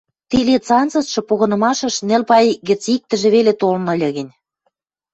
Тилец анзыцшы погынымашыш нӹл пай гӹц иктӹжӹ веле толын ыльы гӹнь